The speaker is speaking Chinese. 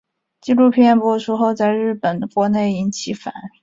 纪录片播出后在日本国内引起强烈反响。